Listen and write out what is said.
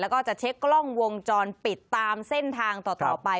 แล้วก็จะเช็คกล้องวงจรปิดตามเส้นทางต่อไป